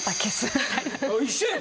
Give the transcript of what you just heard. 一緒や。